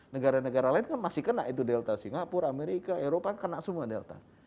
negara negara lain kan masih kena itu delta singapura amerika eropa kena semua delta